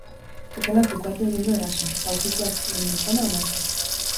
Gizonak ukatu egin du erasoa, eta ukituak egin izana onartu du.